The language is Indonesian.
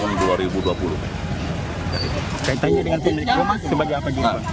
kayaknya dengan pemilik rumah sebagai apa gitu